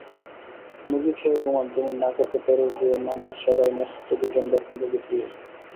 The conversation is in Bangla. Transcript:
মুরগি খেয়ে ঘুমান তিনি নাকেতে তেল দিয়েমামার সেবায় ন্যস্ত দুজন বেতনভোগী পিএ।